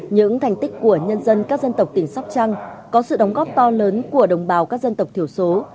những thành tích của nhân dân các dân tộc tỉnh sóc trăng có sự đóng góp to lớn của đồng bào các dân tộc thiểu số